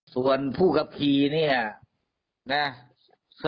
ส่วนผู้ครับพี่เนี่ยเนี่ยง่าครับ